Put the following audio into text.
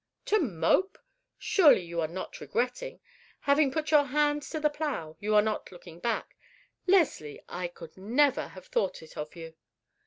"To mope? Surely you are not regretting? Having put your hand to the plow, you are not looking back? Leslie, I could never have thought it of you!"